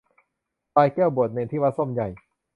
พลายแก้วบวชเณรที่วัดส้มใหญ่